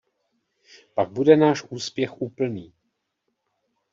Pak bude náš úspěch úplný.